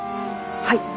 はい！